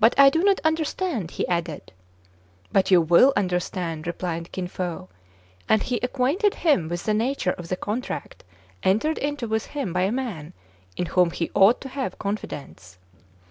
"But I do not understand," he added. "But you will understand," replied Kin Fo ; and he acquainted him with the nature of the contract entered into with him by a man in whom he ought to have confidence.